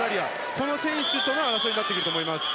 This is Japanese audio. この選手との争いになってくると思います。